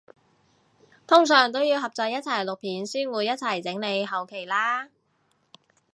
通常都要合作一齊錄片先會一齊整埋後期啦？